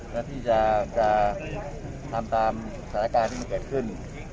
และที่จะทำตามสถานการณ์ที่มันเกิดขึ้น